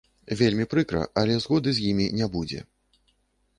Вельмі прыкра, але згоды з імі не будзе.